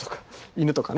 犬とかね。